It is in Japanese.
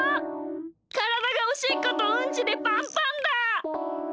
からだがおしっことうんちでパンパンだ！